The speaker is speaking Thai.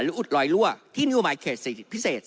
หรืออุดลอยลั่วที่นโยบายเขตศิษย์พิเศษ